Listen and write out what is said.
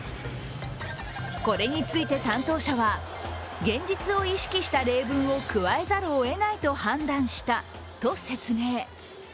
これについて担当者は、現実を意識した例文を加えざるを得ないと判断したと説明。